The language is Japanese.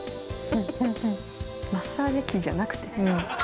フフフマッサージ機じゃなくて？